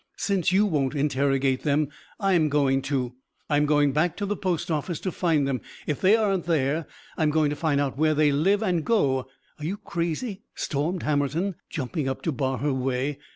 "Since you won't interrogate them, I am going to. I'm going back to the post office to find them. If they aren't there, I'm going to find where they live and go " "Are you crazy?" stormed Hammerton, jumping up to bar her way.